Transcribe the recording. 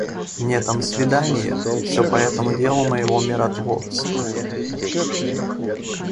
Мне там свиданье, всё по этому делу моего миротворства.